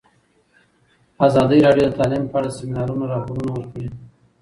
ازادي راډیو د تعلیم په اړه د سیمینارونو راپورونه ورکړي.